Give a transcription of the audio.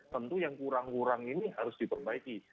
tentu yang kurang kurang ini harus diperbaiki